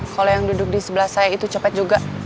kalau yang duduk di sebelah saya itu cepat juga